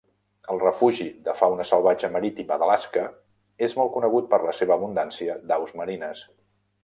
El refugi de fauna salvatge marítima d'Alaska és molt conegut per la seva abundància d'aus marines.